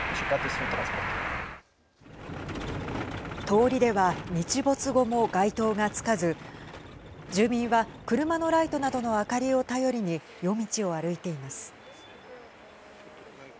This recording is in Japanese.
通りでは日没後も街灯がつかず住民は車のライトなどの明かりを頼りに夜道を歩いています。